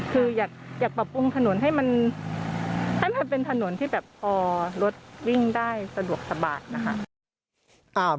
คืออยากประปรุงถนนให้มันเป็นถนนที่พอรถวิ่งได้สะดวกสบาด